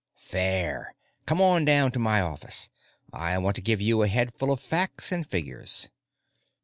"Fair. Come on down to my office; I want to give you a headful of facts and figures."